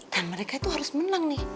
dan mereka itu harus menang nih